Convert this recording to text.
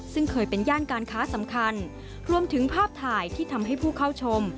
ซึ่งเคยเป็นย่านการค้าสำคัญรวมถึงภาพถ่ายที่ทำให้ผู้เข้าชม